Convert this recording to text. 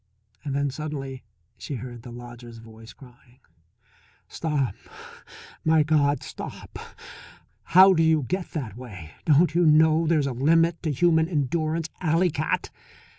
Then suddenly she heard the lodger's voice crying: "Stop my God, stop! How do you get that way? Don't you know there's a limit to human endurance, alley cat?"